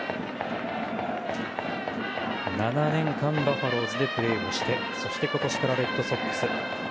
７年間バファローズでプレーしてそして今年からレッドソックス。